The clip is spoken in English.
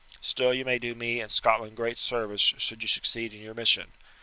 Still you may do me and Scotland great service should you succeed in your mission.